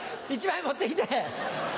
１枚持って来て。